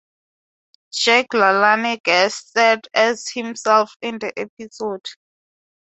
Jack Lalanne guest-starred as himself in the episode.